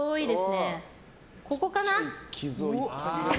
ここかな。